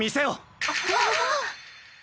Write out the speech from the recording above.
あっ！